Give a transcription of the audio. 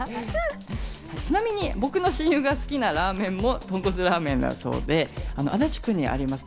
ちなみに僕の親友が好きなラーメンもとんこつラーメンだそうで、足立区にあります